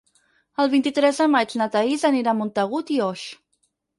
El vint-i-tres de maig na Thaís anirà a Montagut i Oix.